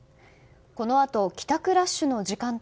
このあと帰宅ラッシュの時間帯